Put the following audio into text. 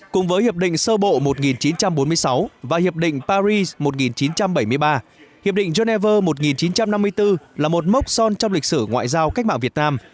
cùng với hiệp định sơ bộ một nghìn chín trăm bốn mươi sáu và hiệp định paris một nghìn chín trăm bảy mươi ba hiệp định geneva một nghìn chín trăm năm mươi bốn là một mốc son trong lịch sử ngoại giao cách mạng việt nam